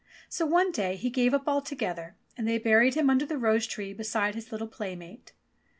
So one day he gave up altogether, and they buried him under the rose tree beside his little playmate.